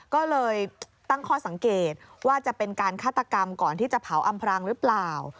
ก็เลยตั้งข้อสังเกตว่าจะเป็นการฆาตกรรมก่อนที่จะเผาอำพรางหรือเปล่า